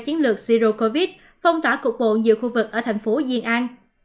chiến lược zero covid phong tỏa cục bộ nhiều khu vực ở thành phố duyên an